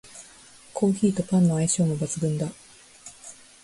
コーヒーとパンの相性も抜群だ